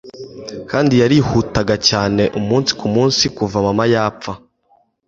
kandi yarihutaga cyaneUmunsi ku munsi kuva mama yapfa